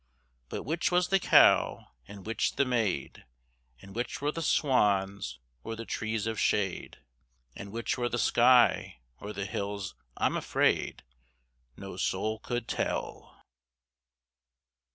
But which was the cow and which the maid, And which were the swans or the trees of shade, And which were the sky or the hills, I'm afraid, No soul could tell.